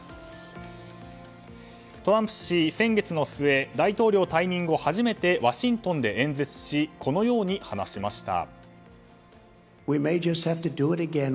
トランプ氏、先月の末大統領退任後初めてワシントンで演説しこのように話しました。